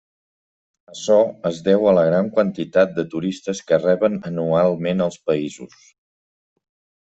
Açò es deu a la gran quantitat de turistes que reben anualment els països.